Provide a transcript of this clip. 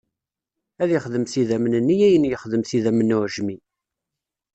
Ad ixdem s idammen-nni ayen yexdem s idammen n uɛejmi.